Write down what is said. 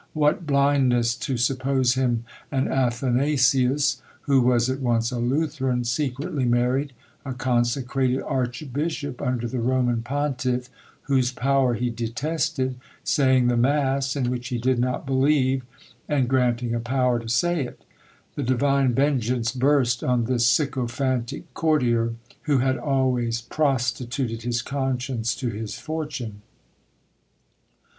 What blindness to suppose him an Athanasius, who was at once a Lutheran secretly married, a consecrated archbishop under the Roman pontiff whose power he detested, saying the mass in which he did not believe, and granting a power to say it! The divine vengeance burst on this sycophantic courtier, who had always prostituted his conscience to his fortune."